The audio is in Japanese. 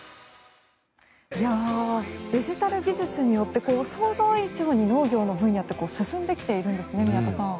デジタル技術によって想像以上に農業の分野って進んできているんですね。